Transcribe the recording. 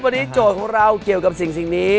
วันนี้โจทย์ของเราเกี่ยวกับสิ่งนี้